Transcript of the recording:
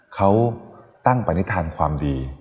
เขาตั้งปัณฑ์นิทานความดี